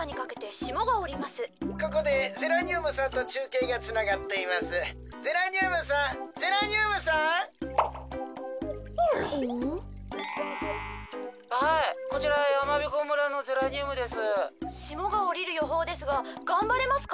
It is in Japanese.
しもがおりるよほうですががんばれますか？